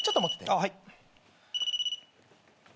はい。